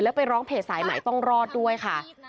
แล้วไปร้องเพจสายใหม่ต้องรอดด้วยค่ะ